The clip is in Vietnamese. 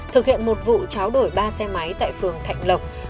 thực hiện một vụ cháo đổi ba xe máy tại phường thạnh lộc